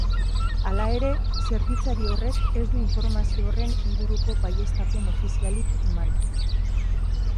Hala ere, zerbitzari horrek ez du informazio horren inguruko baieztapen ofizialik eman.